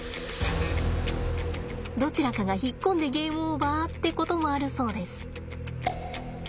どちらかが引っ込んでゲームオーバーってこともあるそうです。